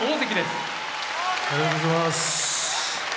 ありがとうございます。